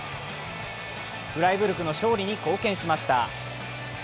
フライブルクの勝利に貢献しました。